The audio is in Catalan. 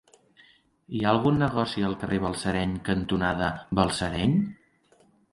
Hi ha algun negoci al carrer Balsareny cantonada Balsareny?